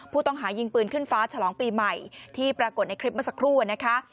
ผู้ต้องหายิงปืนขึ้นฟ้าฉลองปีใหม่ที่ปรากฏในคลิปเมื่อสักครู่นะคะ